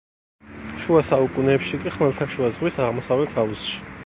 შუა საუკუნეებში კი ხმელთაშუა ზღვის აღმოსავლეთ აუზში.